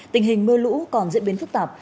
tình hình mưa lũ còn diễn biến phức tạp